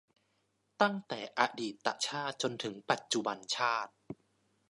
ตั้งแต่อดีตชาติจนถึงปัจจุบันชาติ